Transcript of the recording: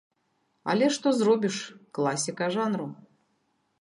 Але што зробіш, класіка жанру.